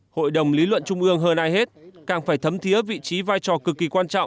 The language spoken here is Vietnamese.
hội đồng lý luận trung ương hơn ai hết càng phải thấm thiế vị trí vai trò cực kỳ